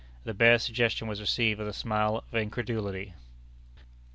The bare suggestion was received with a smile of incredulity.